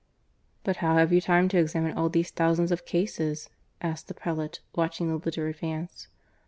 "But how have you time to examine all these thousands of cases?" asked the prelate, watching the litter advance.